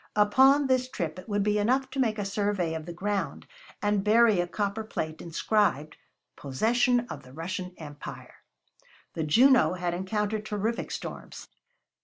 Upon this trip it would be enough to make a survey of the ground and bury a copper plate inscribed: "Possession of the Russian Empire." The Juno had encountered terrific storms.